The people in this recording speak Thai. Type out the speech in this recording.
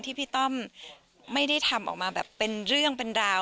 พี่ต้อมไม่ได้ทำออกมาแบบเป็นเรื่องเป็นราว